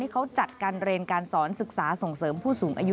เขาจัดการเรียนการสอนศึกษาส่งเสริมผู้สูงอายุ